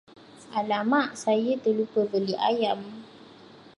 Alamak, saya terlupa beli ayam!